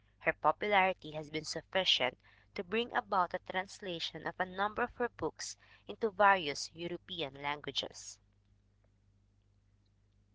Her popularity has been sufficient to bring about the translation of a number of her books into various European languages.